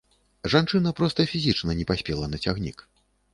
Жанчына проста фізічна не паспела на цягнік.